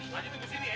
kita tunggu sini ya